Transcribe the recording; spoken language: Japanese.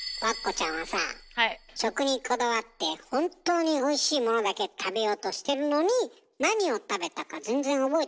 食にこだわって本当においしいものだけ食べようとしてるのに何を食べたか全然覚えてないんだって？